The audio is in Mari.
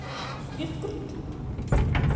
— Ӱскырт...